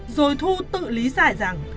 rồi thu tự lý giải rằng